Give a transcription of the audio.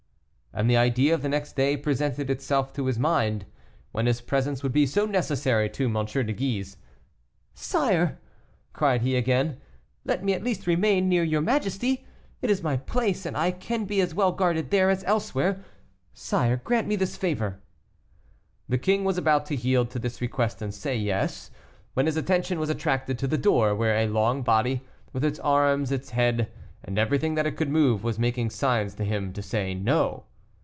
And the idea of the next day presented itself to his mind, when his presence would be so necessary to M. de Guise. "Sire," cried he again, "let me at least remain near your majesty; it is my place, and I can be as well guarded there as elsewhere. Sire, grant me this favor." The king was about to yield to this request and say, "Yes," when his attention was attracted to the door, where a long body, with its arms, its head, and everything that it could move, was making signs to him to say "No."